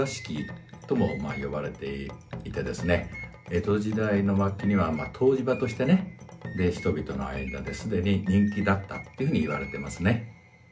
江戸時代の末期には湯治場として人々の間では既に人気だったといわれています。